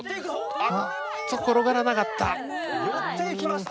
あっと転がらなかった。